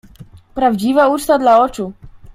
"Prawdziwa uczta dla oczu."